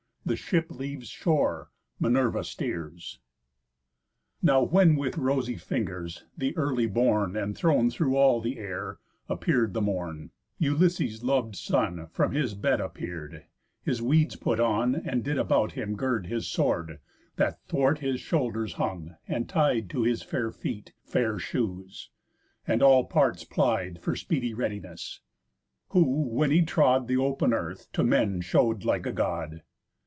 The ship leaves shore, Minerva steers. Now when with rosy fingers, th' early born And thrown through all the air, appear'd the Morn, Ulysses' lov'd son from his bed appear'd, His weeds put on, and did about him gird His sword that thwart his shoulders hung, and tied To his fair feet fair shoes, and all parts plied For speedy readiness: who, when he trod The open earth, to men show'd like a God.